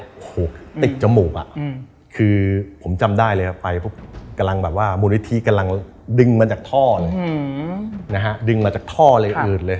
โอ้โหติ๊กจมูกอะคือผมจำได้เลยครับไปกำลังแบบว่ามูลนิธิกำลังดึงมาจากท่อเลย